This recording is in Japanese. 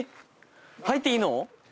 入っていいの？